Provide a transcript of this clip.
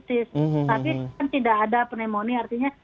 tapi kan tidak ada pneumonia artinya